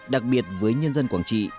đặc biệt với nhân dân quảng trị